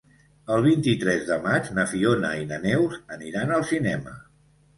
El vint-i-tres de maig na Fiona i na Neus aniran al cinema.